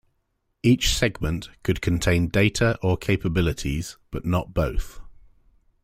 Each segment could contain data or capabilities, but not both.